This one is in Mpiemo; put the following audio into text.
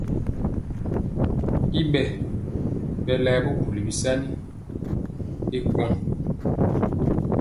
Y b je bɛ laɛ bubuli bisaani y kuan.